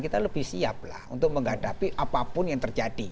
kita lebih siap lah untuk menghadapi apapun yang terjadi